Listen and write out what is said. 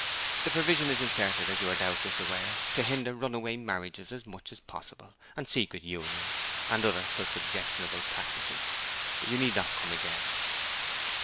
The provision is inserted, as you doubtless are aware, to hinder runaway marriages as much as possible, and secret unions, and other such objectionable practices. You need not come again.'